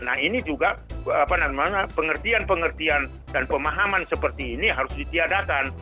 nah ini juga pengertian pengertian dan pemahaman seperti ini harus ditiadakan